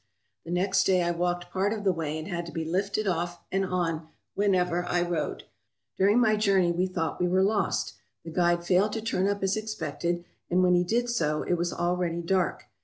The next day I walked part of the way and had to be lifted off and on whenever I rode. During my jomney we thought we were lost. The guide failed to turn up as expected, and when he did so, it was already dark.